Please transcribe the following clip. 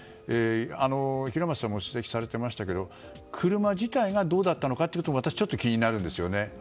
平松さんもご指摘されていましたが車自体がどうだったのかも私、ちょっと気になりますね。